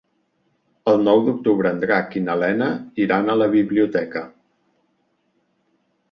El nou d'octubre en Drac i na Lena iran a la biblioteca.